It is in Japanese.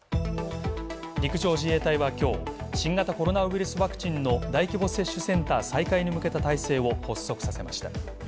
陸上自衛隊は今日、新型コロナウイルスワクチンの大規模接種センター再開に向けた体制を発足させました。